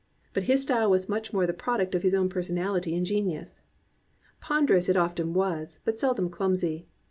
But his style was much more the product of his own personality and genius. Ponderous it often was, but seldom clumsy.